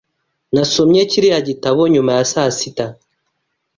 Nasomye kiriya gitabo nyuma ya saa sita.